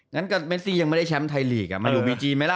งั้นกับเมซี่ยังไม่ได้แชมป์ไทยลีกมาอยู่บีจีนไหมล่ะ